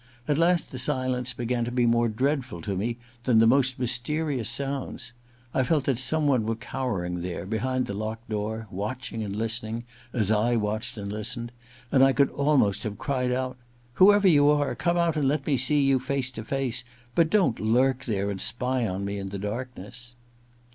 At last the silence began to be more dreadfiil to me than the most mysterious sounds. I felt that someone was cowering there, behind the locked door, watching and listening as I watched and listened, and I could almost have cried out, * Whoever you are, come out and let me see you face to face, but don't lurk there and spy on me in the darkness